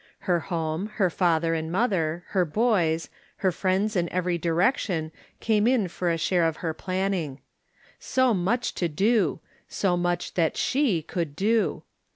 Her home, her fa ther and mother, her boys, her friends in every direction came in for a share of her planning. So much to do — so much that she could do.